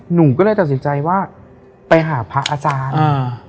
หนูก็เลยตัดสินใจว่าไปหาพระอาจารย์อ่า